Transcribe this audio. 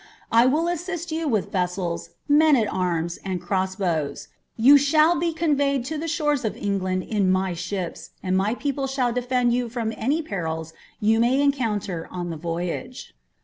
I will assist you with vessels, mciMHnfc anil croas bow9. Tou shall be conveyeil to the Bhorea of EofUod ia my ships, and my people shall defend you from any pents yog my encounter on the »Qyage."